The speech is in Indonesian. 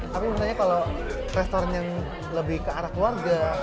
tapi sebenarnya kalau restoran yang lebih ke arah keluarga